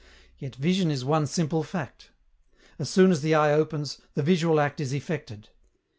Yet vision is one simple fact. As soon as the eye opens, the visual act is effected.